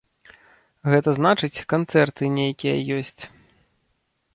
Гэта значыць, канцэрты нейкія ёсць.